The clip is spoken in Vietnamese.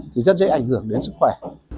thì rất dễ ảnh hưởng đến sức khỏe